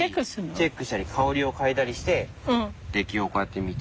チェックしたり香りを嗅いだりして出来をこうやって見て。